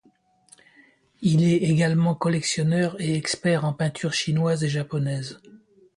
Il est également collectionneur et expert en peintures chinoises et japonaises.